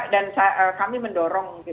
dan kami mendorong